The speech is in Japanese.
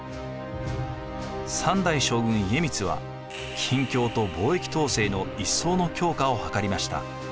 ３代将軍家光は禁教と貿易統制の一層の強化を図りました。